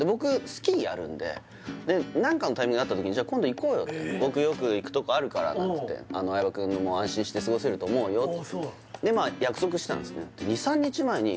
スキーやるんで何かのタイミングが合った時に「今度行こうよ僕よく行くとこあるから」って「相葉くんも安心してすごせると思うよ」でまあ約束してたんですね